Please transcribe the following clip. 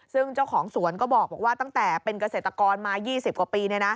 ซึ่งเจ้าของสวนก็บอกว่าตั้งแต่เป็นเกษตรกรมา๒๐กว่าปี